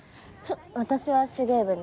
私は手芸部に。